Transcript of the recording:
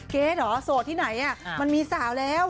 เก๊เหรอโสดที่ไหนมันมีสาวแล้ว